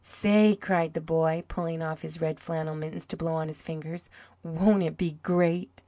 "Say," cried the boy, pulling off his red flannel mittens to blow on his fingers, "won't it be great?